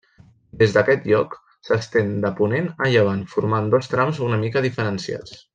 Des d'aquest lloc s'estén de ponent a llevant, formant dos trams una mica diferenciats.